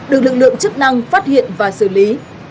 được lực lượng chức năng phát hiện và xử lý